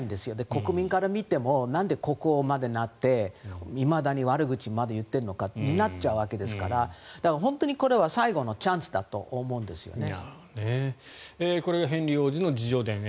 国民から見てもなんで国王までなっていまだに悪口を言っているのかになっちゃうわけですから本当にこれは最後のチャンスだと思うんですよね。